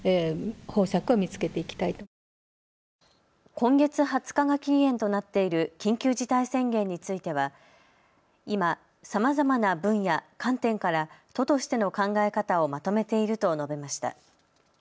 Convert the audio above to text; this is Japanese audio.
今月２０日が期限となっている緊急事態宣言については今、さまざまな分野、観点から都としての考え方をまとめていると述べました。